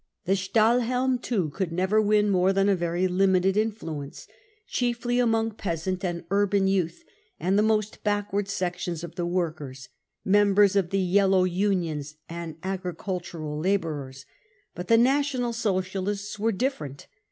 * The Stahlhelm too could never win more than a very limited influence, chiefly among peasant and urban youth and the most backward sections of the workers— members of the Yellow Unions and agricultural labourers. Bift the National Socialists were different.